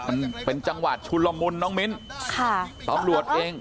มันเป็นจังหวัดชุลมุลน้องมิ้นตำรวจเอง